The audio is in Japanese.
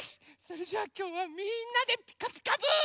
それじゃあきょうはみんなで「ピカピカブ！」。